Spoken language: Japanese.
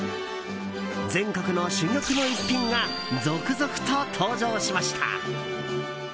全国の珠玉の逸品が続々と登場しました。